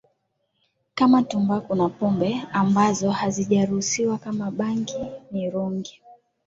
kama tumbaku na pombe ambazo hazijaruhusiwa kama bangi mirungi